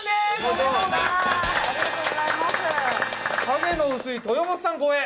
影の薄い豊本さん超え。